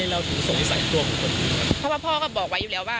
เพราะว่าพ่อก็บอกไว้อยู่แล้วว่า